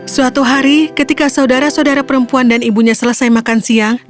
suatu hari ketika saudara saudara perempuan dan ibunya selesai makan siang